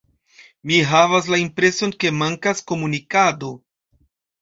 Mi havas la impreson ke mankas komunikado.